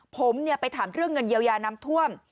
ผมไปถามเรื่องเงินเยียวยาน้ำท่วม